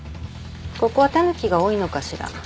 ここはタヌキが多いのかしら？